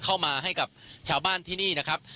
เข้ามาให้กับชาวบ้านที่นี่นะครับ